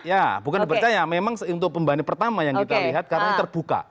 ya bukan dipercaya memang untuk pembanding pertama yang kita lihat karena ini terbuka